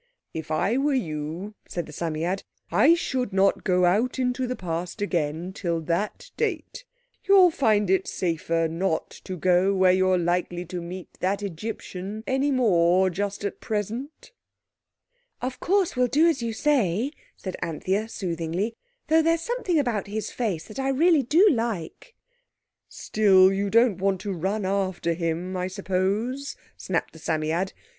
"If I were you," said the Psammead, "I should not go out into the Past again till that date. You'll find it safer not to go where you're likely to meet that Egyptian any more just at present." "Of course we'll do as you say," said Anthea soothingly, "though there's something about his face that I really do like." "Still, you don't want to run after him, I suppose," snapped the Psammead.